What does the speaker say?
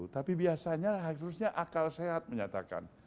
tapi biasanya harusnya akal sehat menyatakan